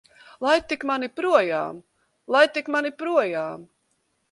Laid tik mani projām! Laid tik mani projām!